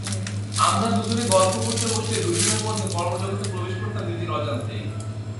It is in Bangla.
আমরা দুজনে গল্প করতে বসলেই মুহূর্তের মধ্যে কর্মজগতে প্রবেশ করতাম নিজের অজান্তেই।